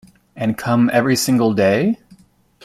And come every single day?